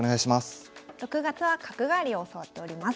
６月は角換わりを教わっております。